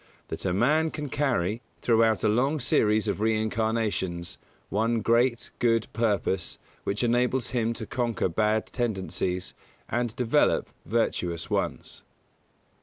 That a man can carry, throughout a long series of reincarnations, one great, good purpose which enables him to conquer bad tendencies and develop virtuous ones.